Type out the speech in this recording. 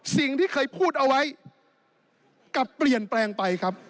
สิ่งที่เคยพูดเอาไว้กลับเปลี่ยนแปลงไปครับ